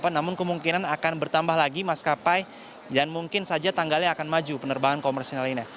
namun kemungkinan akan bertambah lagi maskapai dan mungkin saja tanggalnya akan maju penerbangan komersial lainnya